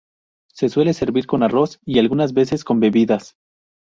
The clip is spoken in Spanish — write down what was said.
Se suele servir con arroz y algunas veces con bebidas.